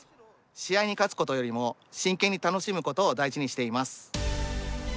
試合に勝つことよりも真剣に楽しむことを大事にしています。